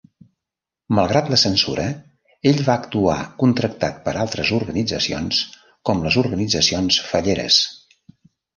Malgrat la censura, ell va actuar contractat per altres organitzacions, com les organitzacions falleres.